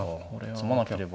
詰まなければ。